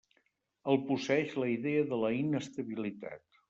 El posseeix la idea de la inestabilitat.